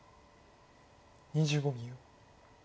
２５秒。